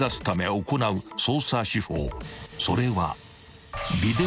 それは］